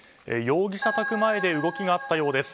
容疑者宅前で動きがあったようです。